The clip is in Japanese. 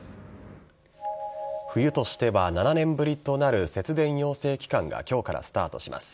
冬としては７年ぶりとなる節電要請期間が今日からスタートします。